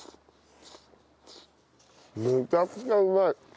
めちゃくちゃうまい。